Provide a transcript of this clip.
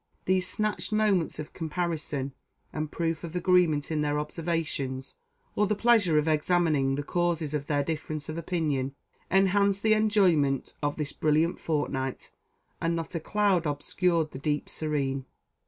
These snatched moments of comparison and proof of agreement in their observations, or the pleasure of examining the causes of their difference of opinion, enhanced the enjoyment of this brilliant fortnight; and not a cloud obscured the deep serene.